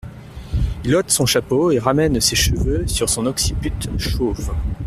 Il ôte son chapeau et ramène ses cheveux sur son occiput chauve.